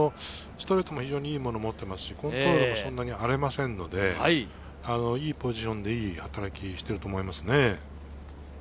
非常にいいところを持っていますしコントロールも荒れませんのでいいポジションで、いい働きをしていると思いますね。